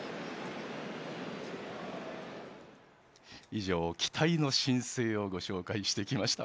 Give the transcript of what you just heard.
以上、期待の新星をご紹介してきました。